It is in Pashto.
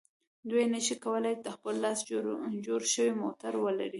دوی نشي کولای د خپل لاس جوړ شوی موټر ولري.